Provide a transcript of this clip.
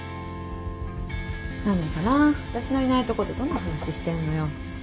何だかなぁ私のいないとこでどんな話してんのよ。